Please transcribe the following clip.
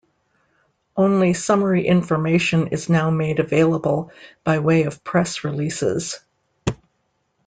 Only summary information is now made available, by way of press releases.